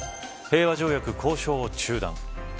平和条約交渉を中断。